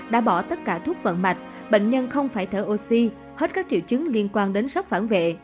đã bỏ tất cả thuốc vận mạch bệnh nhân không phải thở oxy hết các triệu chứng liên quan đến sốc phản vệ